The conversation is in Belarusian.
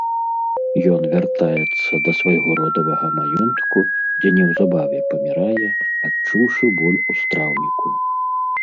Ён вяртаецца да свайго родавага маёнтку, дзе неўзабаве памірае, адчуўшы боль у страўніку.